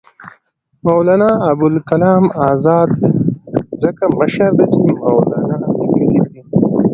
مولنا ابوالکلام آزاد ځکه مشر دی چې مولنا لیکلی دی.